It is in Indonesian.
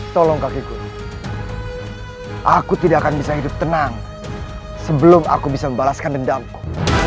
tolong kakiku aku tidak akan bisa hidup tenang sebelum aku bisa membalaskan dendamku